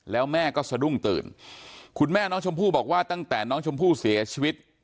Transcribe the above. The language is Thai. แล้วแม่ก็สะดุ้งตื่นคุณแม่น้องชมพู่บอกว่าตั้งแต่น้องชมพู่เสียชีวิต